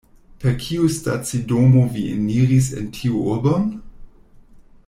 Per kiu stacidomo vi eniris en tiun urbon?